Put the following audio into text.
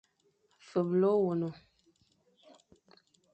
Feble ôwôn.